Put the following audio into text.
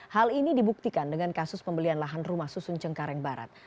hal ini dibuktikan dengan kasus pembelian lahan rumah susun cengkareng barat